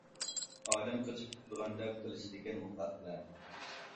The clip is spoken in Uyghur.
ئادەم قېچىپ كېتىدىغاندەك قىلىشىدىكەن ئۇ خەقلەر!